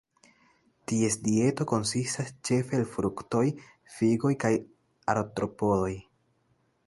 Ties dieto konsistas ĉefe el fruktoj, figoj kaj artropodoj.